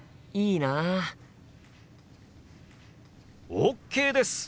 ＯＫです！